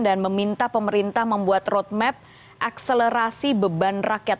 dan meminta pemerintah membuat roadmap akselerasi beban rakyat